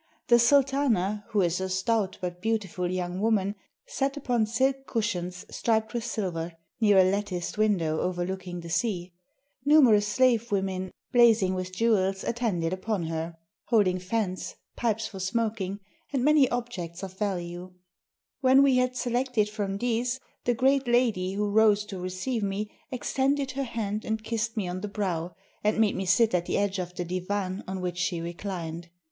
The sultana, who is a stout but beautiful young woman, sat upon silk cushions striped with silver, near a latticed window overlooking the sea. Numerous slave women, blazing with jewels, attended upon her, 509 TURKEY holding fans, pipes for smoking, and many objects of value. When we had selected from these, the great lady, who rose to receive me, extended her hand and kissed me on the brow, and made me sit at the edge of the divan on which she reclined.